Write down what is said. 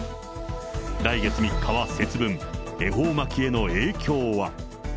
来月３日は節分、恵方巻への影響は。